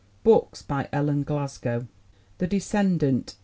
BOOKS BY ELLEN GLASGOW The Descendant, 1897.